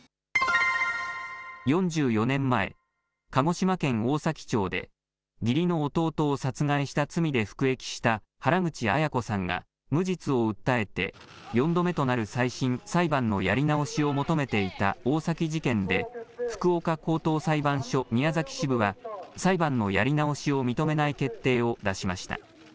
４４年前、鹿児島県大崎町で、義理の弟を殺害した罪で服役した原口アヤ子さんが無実を訴えて、４度目となる再審・裁判のやり直しを求めていた大崎事件で、福岡高等裁判所宮崎支部は、裁判のやり直しを認めない決定を出しました。